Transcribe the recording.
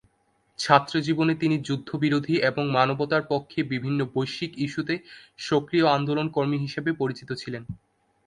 ছাত্রজীবনে তিনি যুদ্ধবিরোধী এবং মানবতার পক্ষে বিভিন্ন বৈশ্বিক ইস্যুতে সক্রিয় আন্দোলনকর্মী হিসেবে পরিচিত ছিলেন।